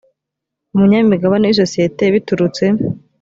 umunyamigabane w isosiyete biturutse